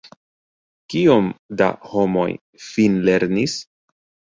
Kiom da homoj finlernis?